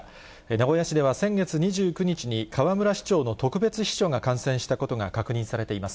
名古屋市では先月２９日に、河村市長の特別秘書が感染したことが確認されています。